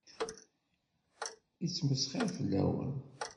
Yettmesxiṛ fell-awen.